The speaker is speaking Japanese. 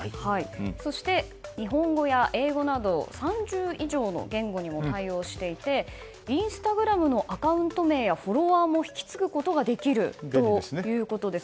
そして、日本語や英語など３０以上の言語にも対応していてインスタグラムのアカウント名やフォロワーも引き継ぐことができるということです。